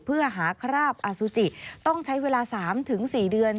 เพื่อหาคราบอสุจิต้องใช้เวลา๓๔เดือน